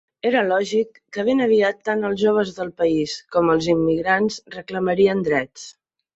Era lògic que ben aviat tant els joves del país com els immigrants reclamarien drets.